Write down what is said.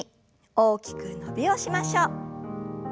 大きく伸びをしましょう。